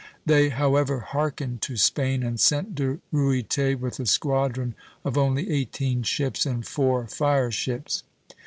They however hearkened to Spain and sent De Ruyter, with a squadron of only eighteen ships and four fire ships.